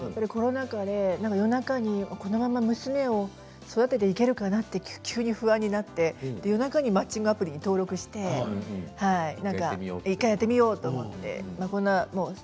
コロナ禍で夜中にこのまま娘を育てていけるかなと急に不安になって、夜中にマッチングアプリに登録して１回やってみようと思って。